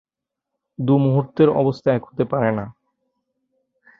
দু’মুহূর্তের অবস্থা এক হতে পারে না।